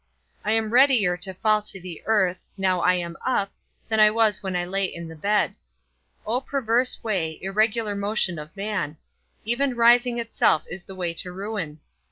I am readier to fall to the earth, now I am up, than I was when I lay in the bed. O perverse way, irregular motion of man; even rising itself is the way to ruin!